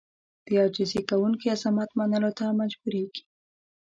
د عاجزي کوونکي عظمت منلو ته مجبورېږي.